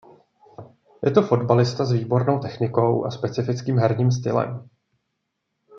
Je to fotbalista s výbornou technikou a specifickým herním stylem.